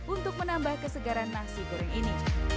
untuk menambah kesegaran nasi goreng ini